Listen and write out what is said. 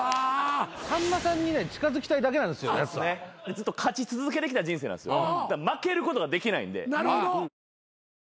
ずっと勝ち続けてきた人生なんですよ。